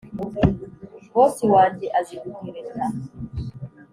Bosi wanjye azi gutereta